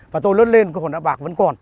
và tôi lớn lên con đá bạc vẫn còn